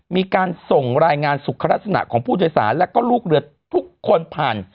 มีการส่งรายงานสุขลักษณะของผู้โดยสารและก็ลูกเรือทุกคนผ่าน